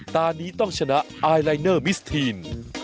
ตอนนี้ต้องชนะไอลายเนอร์มิสทีน